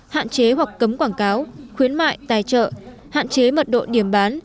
hạn chế hoặc cấm quảng cáo khuyến mại tài trợ hạn chế mật độ điểm bán